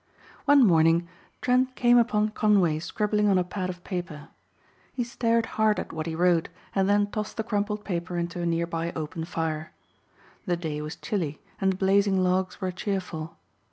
One morning Trent came upon Conway scribbling on a pad of paper. He stared hard at what he wrote and then tossed the crumpled paper into a nearby open fire. The day was chilly and the blazing logs were cheerful.